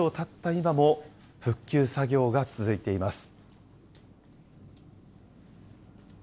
今も復旧作業が続いています。